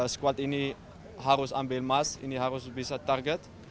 squad ini harus ambil mas ini harus bisa target